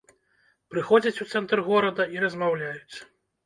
Прыходзяць у цэнтр горада і размаўляюць.